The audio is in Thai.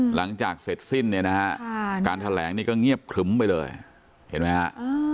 หลังจากเสร็จสิ้นการแถลงก็เงียบขึมไปเลยเห็นไหมครับ